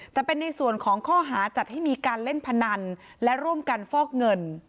แต่เป็นในส่วนของข้อหาจัดให้มีการเล่นพนันและร่วมกันฟอกเงิน